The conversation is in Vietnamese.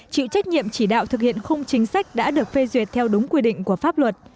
chịu trách nhiệm chỉ đạo thực hiện khung chính sách đã được phê duyệt theo đúng quy định của pháp luật